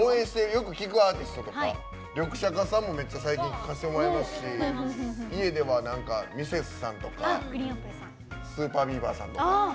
よく聴くアーティストとかはリョクシャカさんも最近、聴かせていただきますし家ではＭｒｓ．さんとかＳＵＰＥＲＢＥＡＶＥＲさん